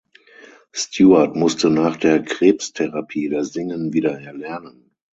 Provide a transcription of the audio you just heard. Stewart musste nach der Krebstherapie das Singen wieder erlernen.